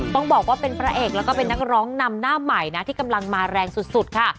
ต้องบอกว่าเป็นพระเอกแล้วก็เป็นนักร้องนำหน้าใหม่นะที่กำลังมาแรงสุดค่ะ